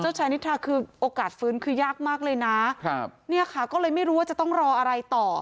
ชายนิทราคือโอกาสฟื้นคือยากมากเลยนะครับเนี่ยค่ะก็เลยไม่รู้ว่าจะต้องรออะไรต่อ